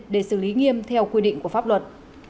để xử lý nghiêm theo quy định của pháp luật